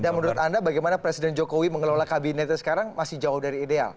dan menurut anda bagaimana presiden jokowi mengelola kabinetnya sekarang masih jauh dari ideal